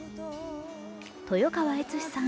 豊川悦司さん